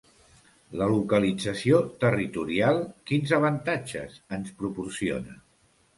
La localització territorial, quins avantatges ens proporciona?